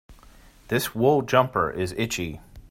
This wool jumper is itchy.